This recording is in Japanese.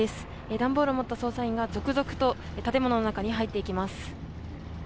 段ボールを持った捜査員が続々と建物の中に入っていきます。